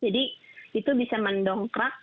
jadi itu bisa mendongkrak gitu ya